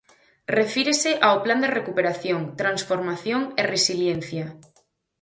Refírese ao Plan de Recuperación, Transformación e Resiliencia.